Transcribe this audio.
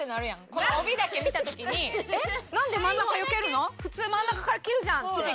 この帯だけ見た時に「えっなんで真ん中よけるの？普通真ん中から切るじゃん」って。